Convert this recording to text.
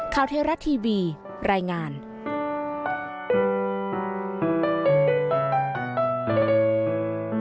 จนได้รับรางวัลในการประกวดแสดงตราปริศนียากรโลก